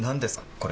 これ。